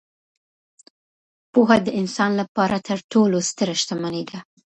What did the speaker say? پوهه د انسان لپاره تر ټولو ستره شتمني ده.